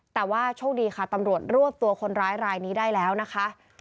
แต่ว่าโชคดีค่ะตำรวจรวบตัวคนร้ายรายนี้ได้แล้วนะคะ